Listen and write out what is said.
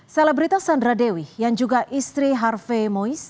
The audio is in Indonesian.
selebritas sandra dewi yang juga istri harve mois